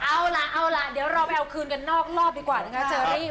เอาล่ะเอาล่ะเดี๋ยวเราไปเอาคืนกันนอกรอบดีกว่านะคะเชอรี่